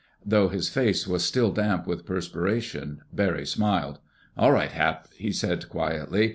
Though his face was still damp with perspiration, Barry smiled. "All right, Hap," he said quietly.